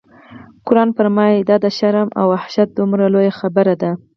قرآن فرمایي: دا د شرم او وحشت دومره لویه خبره ده.